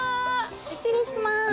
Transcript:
失礼します。